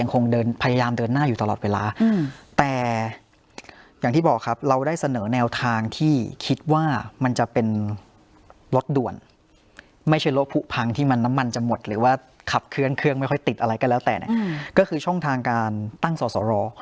เครื่องไม่ค่อยติดอะไรก็แล้วแต่เนี้ยอืมก็คือช่องทางการตั้งสอสร